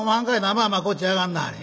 まあまあこっち上がんなはれ。